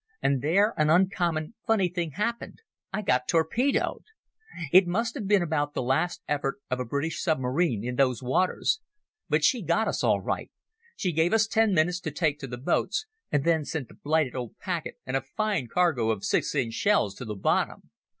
And there an uncommon funny thing happened—I got torpedoed. "It must have been about the last effort of a British submarine in those waters. But she got us all right. She gave us ten minutes to take to the boats, and then sent the blighted old packet and a fine cargo of 6 inch shells to the bottom.